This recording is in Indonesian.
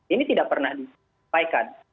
ini tidak pernah disampaikan